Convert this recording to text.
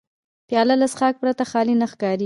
پیاله له څښاک پرته خالي نه ښکاري.